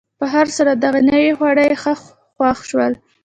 په هر صورت، دغه نوي خواړه یې ښه خوښ شول.